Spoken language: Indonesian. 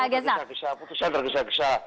tergesa gesa putusan tergesa gesa